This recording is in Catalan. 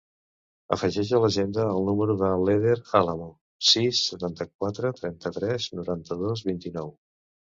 Afegeix a l'agenda el número de l'Eder Alamo: sis, setanta-quatre, trenta-tres, noranta-dos, vint-i-nou.